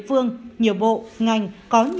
với nhiều nhân doanh